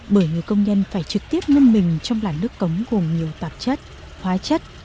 bởi người công nhân phải trực tiếp nâng mình trong làn nước cống gồm nhiều tạp chất hóa chất